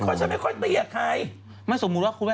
อ่าผมไม่เคยเยอะอยู่นะ